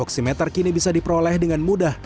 oksimeter kini bisa diperoleh dengan mudah